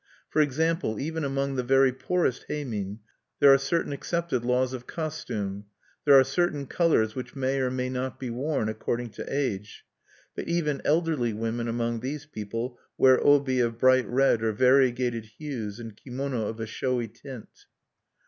For example, even among the very poorest heimin there are certain accepted laws of costume; there are certain colors which may or may not be worn, according to age. But even elderly women among these people wear obi of bright red or variegated hues, and kimono of a showy tint.